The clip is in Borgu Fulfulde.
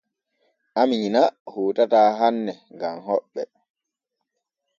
Amiina hootataa hanne gam hoɓɓe.